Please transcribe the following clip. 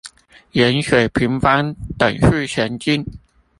沿水平方向等速前進